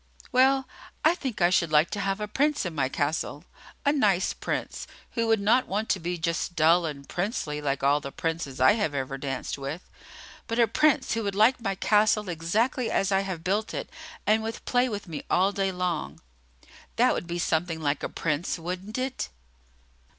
"Well, I think I should like to have a Prince in my castle, a nice Prince, who would not want to be just dull and princely like all the princes I have ever danced with, but a Prince who would like my castle exactly as I have built it and would play with me all day long. That would be something like a Prince, wouldn't it?"